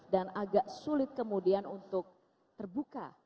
dan agak sulit kemudian untuk terbuka